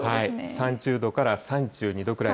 ３０度から３２度くらい。